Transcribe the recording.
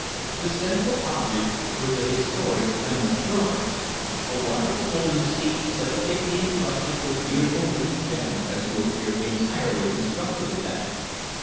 The central object was the historic Emerald Throne, a wonderful golden seat so thickly encrusted with beautiful green gems as to appear entirely constructed of them.